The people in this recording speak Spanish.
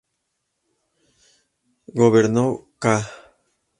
Gobernó ca.